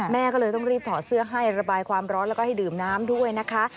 แม่ก็เลยต้องรีบถอดเสื้อให้ระบายความร้อนแล้วก็ให้ดื่มน้ำด้วยนะคะ